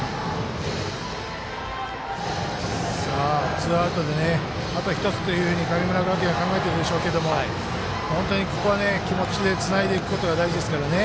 ツーアウトであと１つというふうに神村学園は考えてるでしょうけど本当にここは気持ちでつないでいくことが大事ですから。